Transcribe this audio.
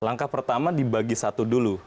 langkah pertama dibagi satu dulu